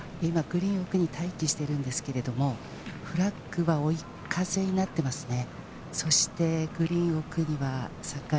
グリーン奥に待機しているんですけれど、フラッグは追い風になっていますね。